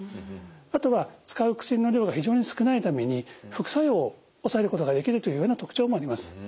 あとは使う薬の量が非常に少ないために副作用を抑えることができるというような特長もあります。